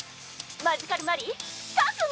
マジカル・マリー覚悟